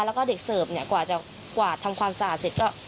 แล้วก็เด็กเสิร์ฟเนี่ยกว่าจะกวาดทำความสะอาดเสร็จก็